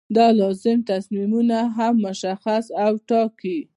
دا لازم تصمیمونه هم مشخص او ټاکي.